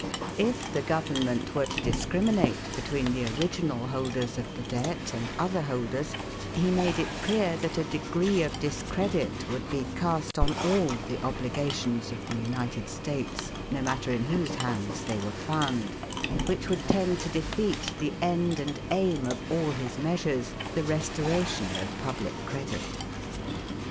If the government were to discriminate between the original holders of the debt and other holders, he made it clear that a degree of discredit would be cast on all the obligations of the United States, no matter in whose hands they were found, which would tend to defeat the end and aim of all his measures, the restoration of public credit.